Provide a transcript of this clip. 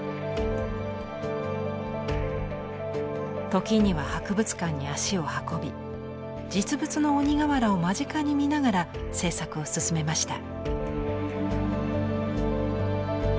時には博物館に足を運び実物の鬼瓦を間近に見ながら制作を進めました。